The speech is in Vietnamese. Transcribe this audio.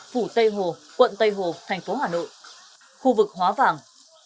phủ tây hồ quận tây hồ thành phố hà nội khu vực hóa vàng